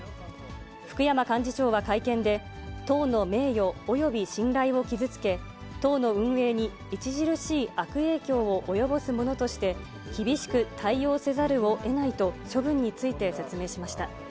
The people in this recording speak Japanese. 福山幹事長は会見で、党の名誉および信頼を傷つけ、党の運営に著しい悪影響を及ぼすものとして、厳しく対応せざるをえないと処分について説明しました。